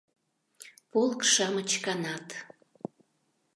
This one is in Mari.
Полк-шамыч канат.